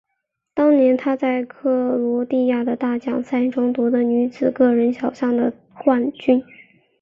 当年她在克罗地亚的大奖赛中夺得女子个人小项的冠军。